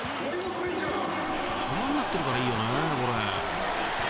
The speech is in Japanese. ［様になってるからいいよねこれ］